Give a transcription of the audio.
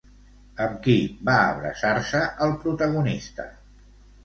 Amb qui va abraçar-se el protagonista?